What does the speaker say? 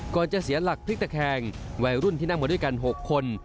จะเสียหลักพลิกตะแคงวัยรุ่นที่นั่งมาด้วยกัน๖คน